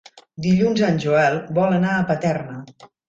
Dilluns en Joel vol anar a Paterna.